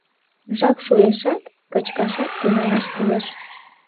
Жап шуэшат, кычкашат тӱҥалаш кӱлеш.